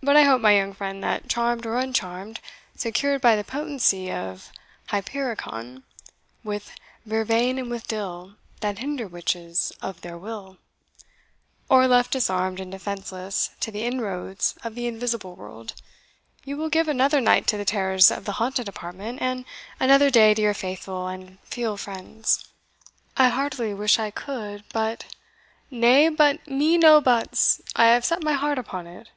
But I hope, my young friend, that, charmed or uncharmed secured by the potency of Hypericon, With vervain and with dill, That hinder witches of their will, or left disarmed and defenceless to the inroads of the invisible world, you will give another night to the terrors of the haunted apartment, and another day to your faithful and feal friends." "I heartily wish I could, but" "Nay, but me no buts I have set my heart upon it."